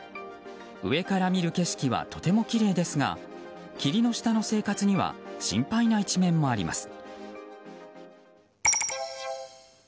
上から見る景色はとてもきれいですが霧の下の生活には心配な一面もあります。